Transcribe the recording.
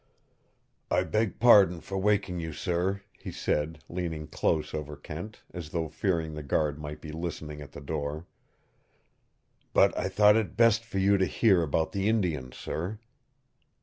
"I beg pardon for waking you, sir," he said, leaning close over Kent, as though fearing the guard might be listening at the door. "But I thought it best for you to hear about the Indian, sir."